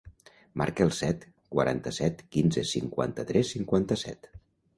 Marca el set, quaranta-set, quinze, cinquanta-tres, cinquanta-set.